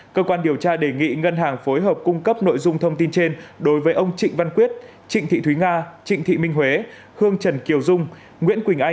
cơ quan điều tra đề nghị ngân hàng phối hợp cung cấp nội dung thông tin trên đối với ông trịnh văn quyết trịnh thị thúy nga trịnh thị minh huế hương trần kiều dung nguyễn quỳnh anh